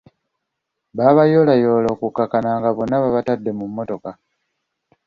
Baabayoolayoola okukkakkana nga bonna babatadde mu mmotoka.